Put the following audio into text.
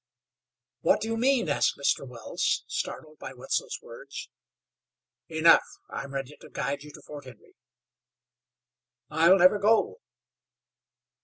"What do you mean?" asked Mr. Wells, startled by Wetzel's words. "Enough. I'm ready to guide you to Fort Henry." "I'll never go."